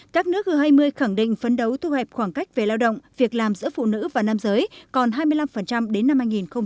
các nước g hai mươi khẳng định phấn đấu thu hẹp khoảng cách về lao động việc làm giữa phụ nữ và nam giới còn hai mươi năm đến năm hai nghìn ba mươi